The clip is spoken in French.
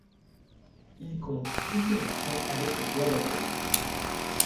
Il compte six sélections avec les Gwadaboys.